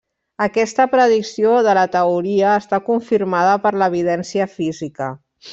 Aquesta predicció de la teoria està confirmada per l'evidència física.